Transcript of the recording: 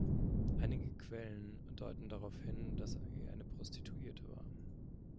Einige Quellen deuten darauf hin, dass sie eine Prostituierte war.